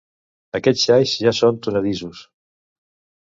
Aquests xais ja són tonedissos.